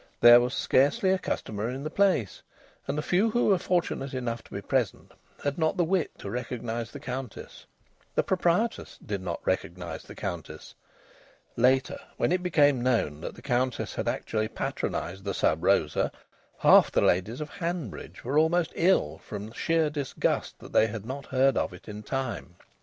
There was scarcely a customer in the place, and the few who were fortunate enough to be present had not the wit to recognise the Countess. The proprietress did not recognise the Countess. (Later, when it became known that the Countess had actually patronised the Sub Rosa, half the ladies of Hanbridge were almost ill from sheer disgust that they had not heard of it in time.